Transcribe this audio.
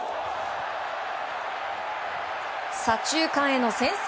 左中間への先制